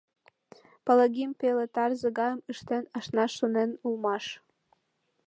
Палагим пеле тарзе гайым ыштен ашнаш шонен улмаш.